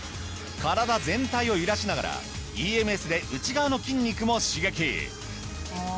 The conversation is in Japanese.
体全体を揺らしながらＥＭＳで内側の筋肉も刺激。